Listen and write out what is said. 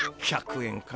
１００円か。